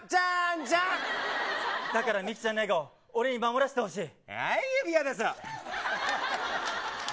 だからミキちゃんの笑顔をおれに守らせてほしい。